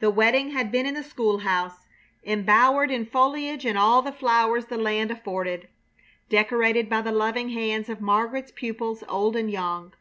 The wedding had been in the school house, embowered in foliage and all the flowers the land afforded, decorated by the loving hands of Margaret's pupils, old and young.